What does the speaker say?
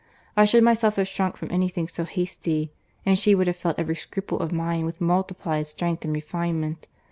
I should myself have shrunk from any thing so hasty, and she would have felt every scruple of mine with multiplied strength and refinement.